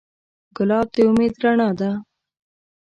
ګلاب د امید رڼا ده.